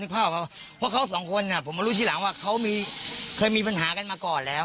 เพราะเขาสองคนผมมารู้ทีหลังว่าเขาเคยมีปัญหากันมาก่อนแล้ว